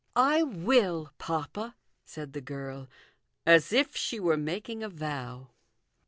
" I will, papa," said the girl, as if she were making a vow.